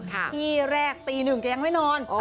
ที่แรกตีหนึ่งแกยังไม่นอน